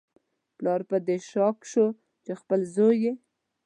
پلار په دې شاک شو چې خپل زوی یې